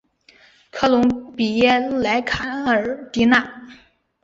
科隆比耶莱卡尔迪纳。